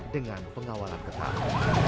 dengan pengawalan ketat